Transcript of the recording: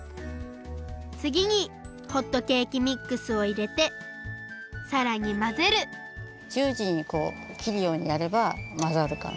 つぎにホットケーキミックスをいれてさらにまぜるじゅうじにこう切るようにやればまざるから。